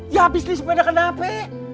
ya abis nih sepeda kenapa